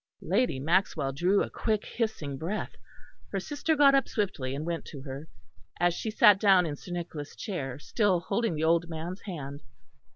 Lady Maxwell drew a quick hissing breath; her sister got up swiftly and went to her, as she sat down in Sir Nicholas' chair, still holding the old man's hand.